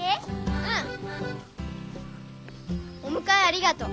うん。おむかえありがとう。